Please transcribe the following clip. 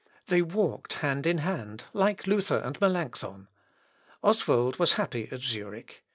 They walked hand in hand, like Luther and Melancthon. Oswald was happy at Zurich.